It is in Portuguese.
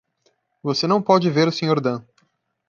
Você não pode ver o Sr. Dan.